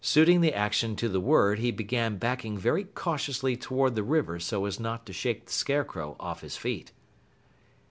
Suiting the action to the word, he began backing very cautiously toward the river so as not to shake the Scarecrow off his feet.